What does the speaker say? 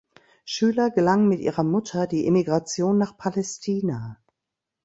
Schüler gelang mit ihrer Mutter die Emigration nach Palästina.